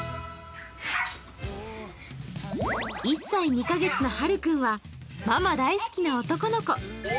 １歳２カ月のはるくんは、ママ大好きの男の子。